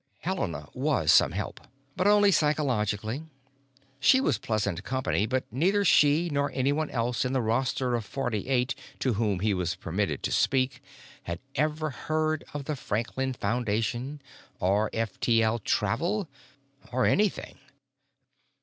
Helena was some help. But only psychologically; she was pleasant company, but neither she nor anyone else in the roster of forty eight to whom he was permitted to speak had ever heard of the Franklin Foundation, or F T L travel, or anything.